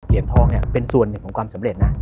ทองเนี่ยเป็นส่วนหนึ่งของความสำเร็จนะ